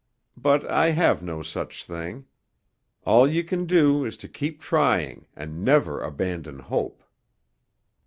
But I have no such thing. All you can do is to keep trying and never abandon hope."